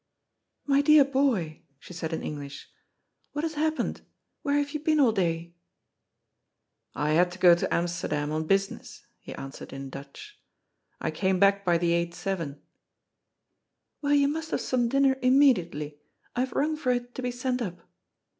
" My dear boy," she said in English, " what has happened ? Where have you been all day ?"" I had to go to Amsterdam on business," he answered in Dutch. " I came back by the 8.7." " Well, you must have some dinner immediately. I have rung for it to be sent up."